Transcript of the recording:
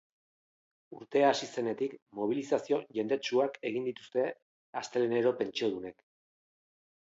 Urtea hasi zenetik mobilizazio jendetsuak egin dituzte astelehenero pentsiodunek.